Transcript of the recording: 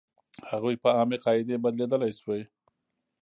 هغوی په عامې قاعدې بدلېدلی شوې.